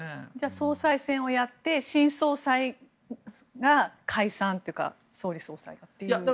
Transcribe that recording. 総裁選をやって新総裁が解散というか総理・総裁という。